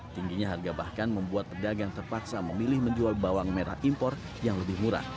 tingginya harga bahkan membuat pedagang terpaksa memilih menjual bawang merah impor yang lebih murah